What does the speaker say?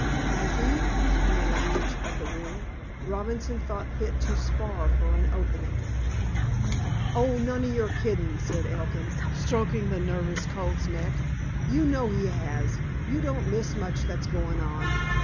"Has he?" In the language of the ring, Robinson thought fit to spar for an opening. "Oh, none of your kiddin'," said Elkin, stroking the nervous colt's neck. "You know he has. You don't miss much that's going on.